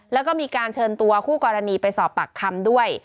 แล้วก็มีการเชิญตัวคู่กรณีไปสอบปากคำด้วย